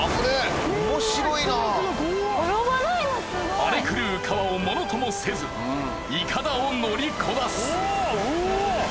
荒れ狂う川をものともせず筏を乗りこなす。